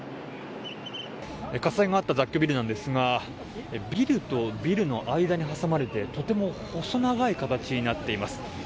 火災があった雑居ビルなんですがビルとビルの間に挟まれてとても細長い形になっています。